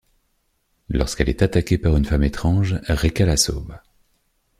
Lorsqu'elle est attaquée par une femme étrange, Recca la sauve.